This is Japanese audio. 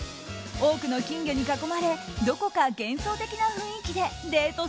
多くの金魚に囲まれどこか幻想的な雰囲気でデート